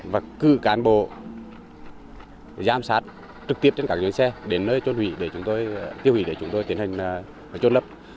và cứ cán bộ giám sát trực tiếp trên các nhóm xe đến nơi tiêu hủy để chúng tôi tiến hành trôn lấp